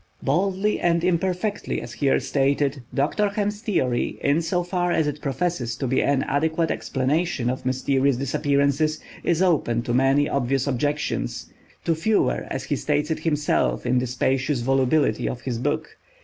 Baldly and imperfectly as here stated, Dr. Hem's theory, in so far as it professes to be an adequate explanation of "mysterious disappearances," is open to many obvious objections; to fewer as he states it himself in the "spacious volubility" of his book.